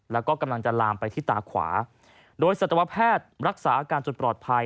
แล้วก็กำลังจะลามไปที่ตาขวาโดยสัตวแพทย์รักษาอาการจนปลอดภัย